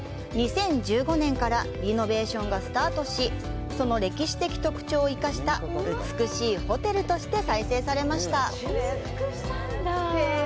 ２０１５年からリノベーションがスタートしその歴史的特徴を生かした美しいホテルとして再生されました。